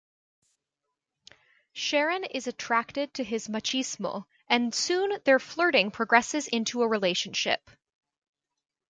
Sharon is attracted to his machismo, and soon their flirting progresses into a relationship.